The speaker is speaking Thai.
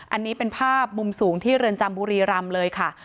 อันนี้เป็นภาพมุมสูงที่เรือนจำบุรีรำเลยค่ะ